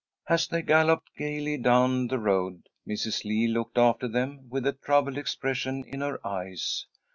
As they galloped gaily down the road, Mrs. Lee looked after them with a troubled expression in her eyes.